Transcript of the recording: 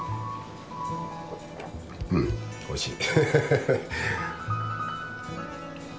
うんおいしい。